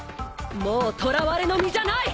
もうとらわれの身じゃない！